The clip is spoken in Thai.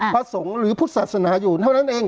พระสงฆ์หรือพุทธศาสนาอยู่เท่านั้นเอง